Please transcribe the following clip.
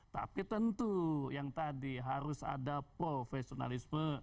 tapi tentu yang tadi harus ada profesionalisme